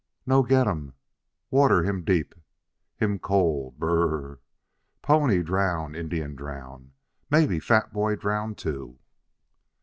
"No get um. Water him deep. Him cold, b r r r! Pony drown, Indian drown. Mebby fat boy drown, too."